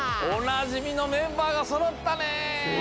おなじみのメンバーがそろったね！